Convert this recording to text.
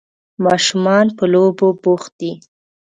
ماشومان په لوبو بوخت دي.